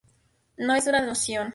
No es una nación.